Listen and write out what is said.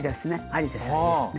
ありですありですね。